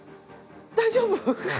大丈夫？